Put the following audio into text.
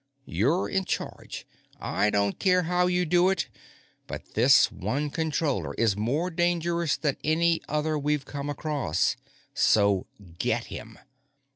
You're in charge; I don't care how you do it, but this one Controller is more dangerous than any other we've come across, so get him."